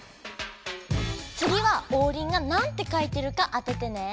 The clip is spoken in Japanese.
つぎはオウリンがなんて書いてるか当ててね。